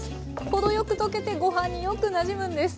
程よく溶けてご飯によくなじむんです。